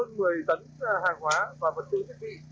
mang theo rất là lớn hơn một mươi tấn hàng hóa và vật tư thiết bị